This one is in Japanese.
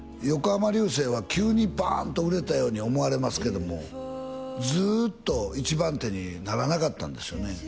横浜流星は急にバーンと売れたように思われますけどもずーっと一番手にならなかったんですよね